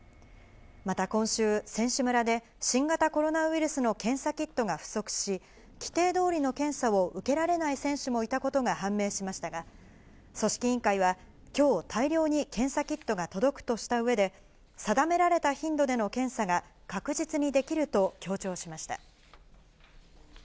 また今週、選手村で新型コロナウイルスの検査キットが不足し、規定どおりの検査を受けられない選手もいたことが判明しましたが、組織委員会はきょう、大量に検査キットが届くとしたうえで、定められた頻度での検査が確実にできると強調しました。